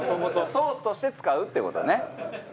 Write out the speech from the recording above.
ソースとして使うって事ね。